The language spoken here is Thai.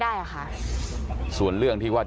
แต่ว่าวินนิสัยดุเสียงดังอะไรเป็นเรื่องปกติอยู่แล้วครับ